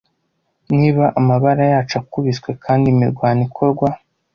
Niba amabara yacu akubiswe kandi imirwano ikorwa?